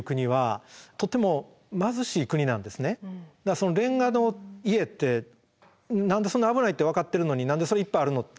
そのレンガの家って何でそんな危ないって分かってるのに何でそれいっぱいあるのって。